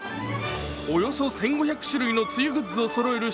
およそ１５００種類の梅雨グッズをそろえる